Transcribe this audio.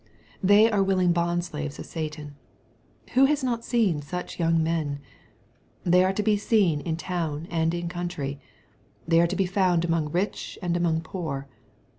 They are willing bondslaves of Satan. — Who has not seen such young men ? They are to be seen in town and in country. They are to be found among rich and among poor.